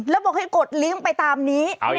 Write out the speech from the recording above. แล้วบอกให้กดลิงก์ไปตามนี้